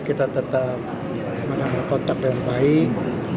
kita tetap kontak dengan baik